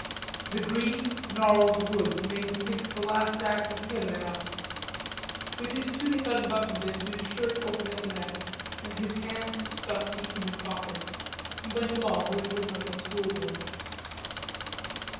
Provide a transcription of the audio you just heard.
The green gnarled woods made him think of the first act of Pelleas. With his tunic unbuttoned and his shirt open at the neck and his hands stuck deep in his pockets, he went along whistling like a school boy.